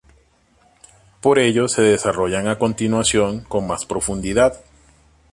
Por ello se desarrollan a continuación con más profundidad.